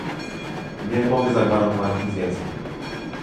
Nie mogę zagwarantować nic więcej